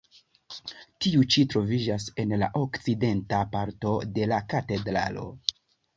Tiu ĉi troviĝas en la okcidenta parto de la katedralo.